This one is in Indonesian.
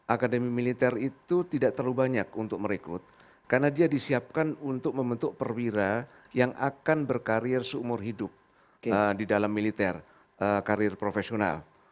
akademi militer itu tidak terlalu banyak untuk merekrut karena dia disiapkan untuk membentuk perwira yang akan berkarir seumur hidup di dalam militer karir profesional